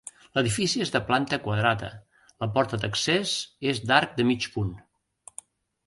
L'edifici és de planta quadrada, la porta d'accés és d'arc de mig punt.